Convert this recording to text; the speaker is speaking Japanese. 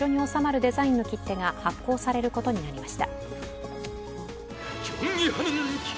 デザインの切手が発行されることになりました。